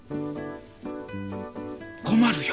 困るよ。